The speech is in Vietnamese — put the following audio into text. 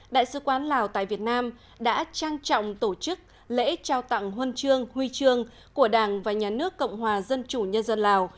đại sứ quán lào tại việt nam đã trang trọng tổ chức lễ trao tặng huân chương huy chương của đảng và nhà nước cộng hòa dân chủ nhân dân lào